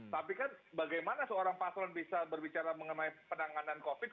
tapi kan bagaimana seorang paslon bisa berbicara mengenai penanganan covid